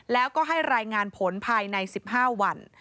แล้วก็ให้รายงานผลภายใน๑๕วัน